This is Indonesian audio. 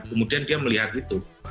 kemudian dia melihat itu